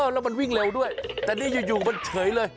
แล้วมันวิ่งเร็วด้วยแต่นี่อยู่มันเฉยเลย